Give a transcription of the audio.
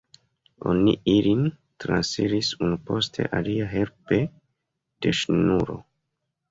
Oni ilin transiris unu post alia helpe de ŝnuro.